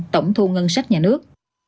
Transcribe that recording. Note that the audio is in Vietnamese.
tổng thu ngân sách nhà nước